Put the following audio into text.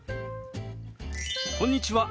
こんにちは。